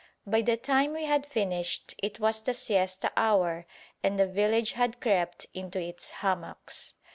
By the time we had finished it was the siesta hour and the village had crept into its hammocks.